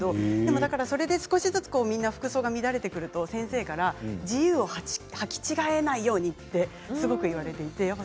それで少しずつ、皆さん服装が乱れてくると先生から自由をはき違えないようにと言われていました。